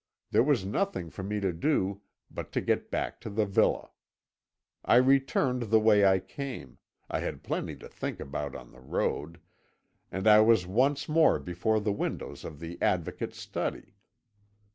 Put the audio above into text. There was nothing for me to do but to get back to the villa. I returned the way I came I had plenty to think about on the road and I was once more before the windows of the Advocate's study.